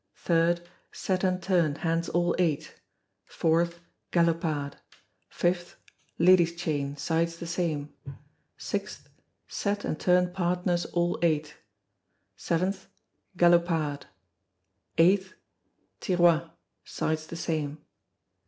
3rd, Set and turn, hands all eight. 4th, Galopade. 5th, Ladies' chain, sides the same. 6th, Set and turn partners all eight. 7th, Galopade. 8th, Tirois, sides the same.